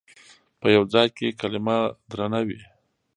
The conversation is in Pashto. په یوه ځای کې کلمه درنه وي.